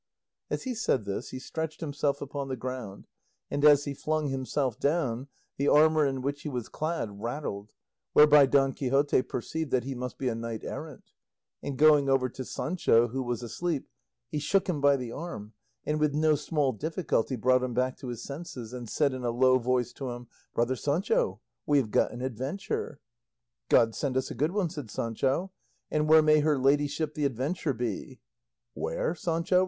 As he said this he stretched himself upon the ground, and as he flung himself down, the armour in which he was clad rattled, whereby Don Quixote perceived that he must be a knight errant; and going over to Sancho, who was asleep, he shook him by the arm and with no small difficulty brought him back to his senses, and said in a low voice to him, "Brother Sancho, we have got an adventure." "God send us a good one," said Sancho; "and where may her ladyship the adventure be?" "Where, Sancho?"